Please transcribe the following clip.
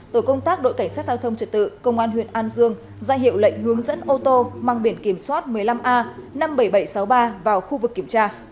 tổ công tác đội cảnh sát giao thông trật tự công an huyện an dương ra hiệu lệnh hướng dẫn ô tô mang biển kiểm soát một mươi năm a năm mươi bảy nghìn bảy trăm sáu mươi ba vào khu vực kiểm tra